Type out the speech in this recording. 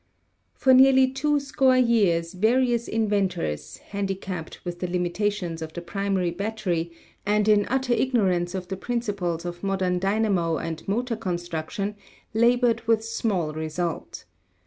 For nearly two score years various inventors, handi capped with the limitations of the primary battery, and in utter ignorance of the principles of modern dynamo and motor construction, labored with small result.